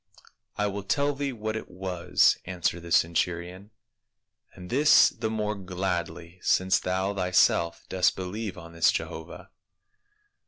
" I will tell thee what it was," answered the centu rion, " and this the more gladly since thou thyself dost believe on this Jehovah."